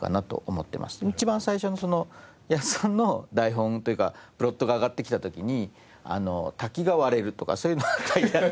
一番最初に八津さんの台本というかプロットが上がってきた時に「滝が割れる」とかそういうのが書いてあって。